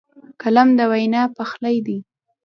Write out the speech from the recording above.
قلم د وینا پخلی دی